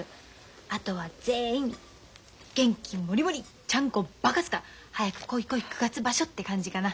あとは全員元気モリモリちゃんこバカスカ早く来い来い九月場所って感じかな。